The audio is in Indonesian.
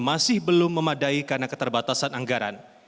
masih belum memadai karena keterbatasan anggaran